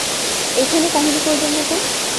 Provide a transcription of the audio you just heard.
এখানে কাহিনী করবেন না তো।